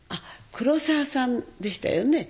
黒沢さんでしたよね？